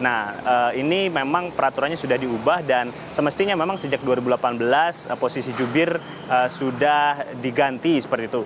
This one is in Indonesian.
nah ini memang peraturannya sudah diubah dan semestinya memang sejak dua ribu delapan belas posisi jubir sudah diganti seperti itu